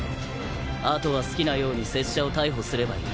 あとは好きなように拙者を逮捕すればいい。